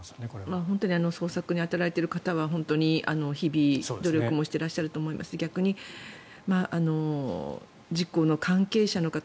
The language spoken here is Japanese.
本当に捜索に当たられている方は日々努力もしていらっしゃると思いますし逆に事故の関係者の方